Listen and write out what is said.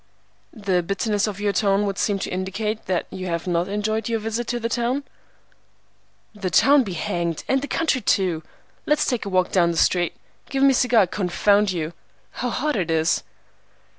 "The bitterness of your tone would seem to indicate that you have not enjoyed your visit to the town." "The town be hanged, and the country too! Let's take a walk down the street. Give me a cigar, confound you! How hot it is!"